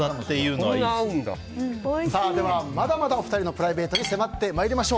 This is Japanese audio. まだまだお二人のプライベートに迫っていきましょう。